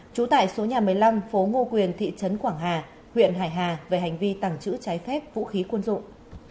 trú tại số nhà một mươi năm phố ngô quyền thị trấn quảng hà huyện hải hà về hành vi tàng trữ trái phép vũ khí quân dụng